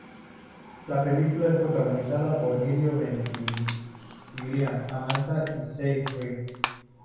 La película es protagonizada por Milo Ventimiglia y Amanda Seyfried.